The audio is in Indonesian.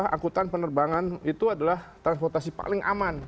angkutan penerbangan itu adalah transportasi paling aman